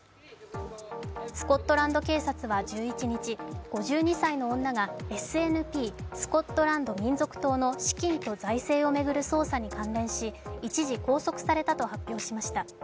スコットランド警察は１１日、５２歳の女がＳＮＰ＝スコットランド民族党の資金と財政を巡る捜査に関連し、一時拘束されたと発表されました。